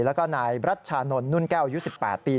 แล้วก็นายรัชชานนทนุ่นแก้วอายุ๑๘ปี